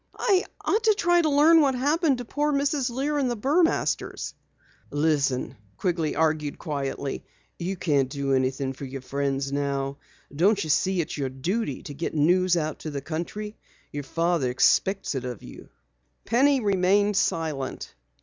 "I ought to try to learn what happened to poor Mrs. Lear and the Burmasters." "Listen," Quigley argued quietly. "You can't do anything for your friends now. Don't you see it's your duty to get news out to the country? Your father expects it of you." Penny remained silent.